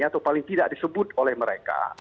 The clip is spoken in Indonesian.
atau paling tidak disebut oleh mereka